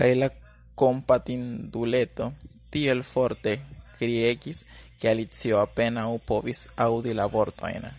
Kaj la kompatinduleto tiel forte kriegis ke Alicio apenaŭ povis aŭdi la vortojn.